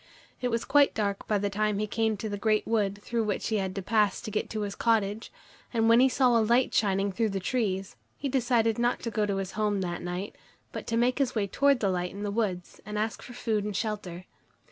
It was quite dark by the time he came to the great wood through which he had to pass to get to his cottage, and when he saw a light shining through the trees, he decided not to go to his home that night, but to make his way towards the light in the wood and ask for food and shelter.